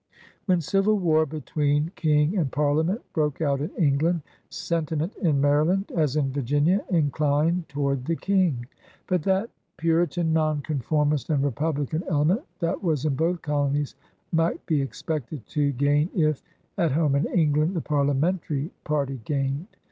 When civil war between King and Parliament broke out in England, sentiment in Maryland as in Virginia inclined toward the King. But that CHURCH AND KINGDOM 14S Puritan, Non conformist, and republican element that was in both colonies might be expected to gain if, at home in England, the Parliamentary party gained.